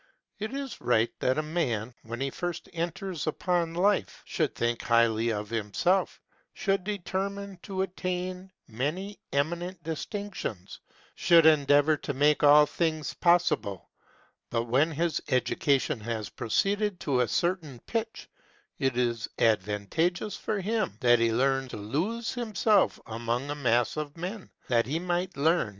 It is right that a man, when he first enters upon life, should think highly of himself, should determine to attain many eminent distinctions, should endeavor to make all things possible ; but, when his education has proceeded to a certain pitch, it is advantageous for him, that he learn to lose himself among a mass of men, 432 MEISTER'S APPRENTICESHIP.